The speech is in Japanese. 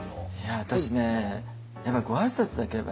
いや私ねやっぱご挨拶だけは。